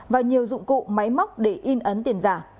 và nhiều dụng cụ máy móc để in ấn tiền giả